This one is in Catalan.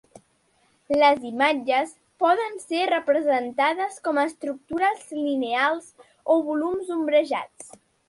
Les imatges poden ser representades com estructures lineals o volums ombrejats.